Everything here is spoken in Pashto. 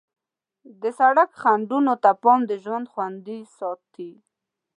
د سړک خنډونو ته پام د ژوند خوندي ساتي.